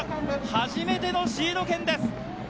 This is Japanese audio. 初めてのシード権です。